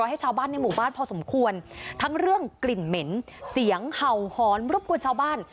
ให้ชาวบ้านในหมู่บ้านพอสมควรทั้งเรื่องกลิ่นเหม็นเสียงเห่าหอนรบกวนชาวบ้าน